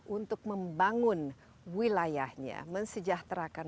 untuk membangun wilayahnya mensejahterakan